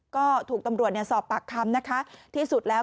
ก็ถูกตำรวจสอบปากคำนะคะที่สุดแล้ว